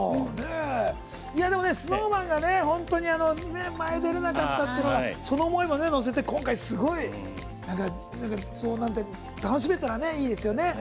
ＳｎｏｗＭａｎが本当に前出られなかったその思いも乗せて今回、すごい楽しめたらいいですよね。